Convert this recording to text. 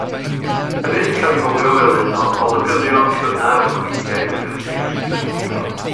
Mae hefyd yn cael ei gofio fel un o olygyddion cynnar gweithiau William Shakespeare.